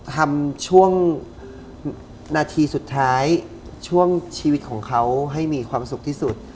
ทำช่วงนาทีสุดท้ายช่วงชีวิตของเขาให้มีความสุขที่สุด